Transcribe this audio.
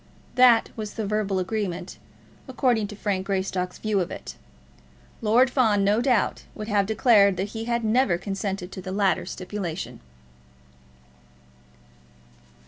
That was the verbal agreement, according to Frank Greystock's view of it. Lord Fawn, no doubt, would have declared that he had never consented to the latter stipulation.